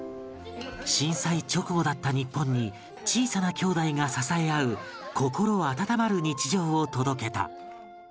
震災直後だった日本に小さな姉弟が支え合う心温まる日常を届けた